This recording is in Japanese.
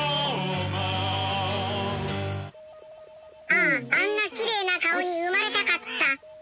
あああんなきれいな顔に生まれたかった。